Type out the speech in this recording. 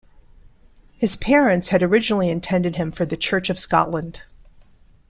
His parents had originally intended him for the Church of Scotland.